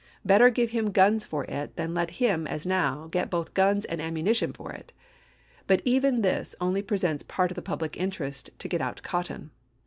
Better give him guns for it than let him, as now, get both guns and am munition for it. But even this only presents part of the public interest to get out cotton.